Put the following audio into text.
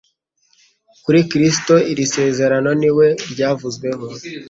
Kuri Kristo iri sezerano ni we ryavuzweho